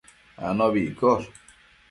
anobi iccosh